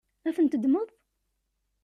Ad tent-teddmeḍ?